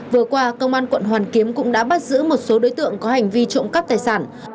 vừa qua công an quận hoàn kiếm cũng đã bắt giữ một số đối tượng có hành vi trộm cắp tài sản